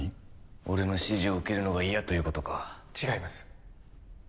俺の指示を受けるのが嫌ということか違います